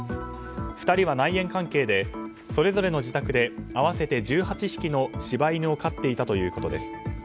２人は内縁関係でそれぞれの自宅で合わせて１８匹の柴犬を飼っていたということです。